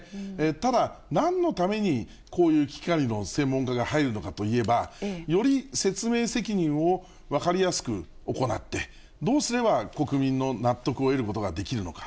ただ、なんのためにこういう危機管理の専門家が入るのかといえば、より説明責任を分かりやすく行って、どうすれば国民の納得を得ることができるのか。